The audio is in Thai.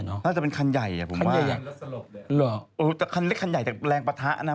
เนอะน่าจะเป็นคันใหญ่อ่ะคันใหญ่คันเล็กคันใหญ่แต่แรงประทะนะ